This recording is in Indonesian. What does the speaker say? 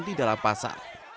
di dalam pasar